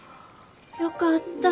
よかった。